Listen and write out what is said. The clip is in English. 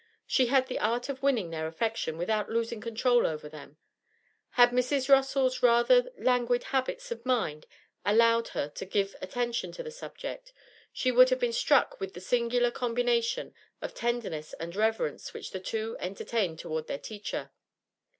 She had the art of winning their affection without losing control over them; had Mrs. Bossall's rather languid habits of mind allowed her to give attention to the subject, she would have been struck with the singular combination of tenderness and reverence which the two entertained towards their teacher.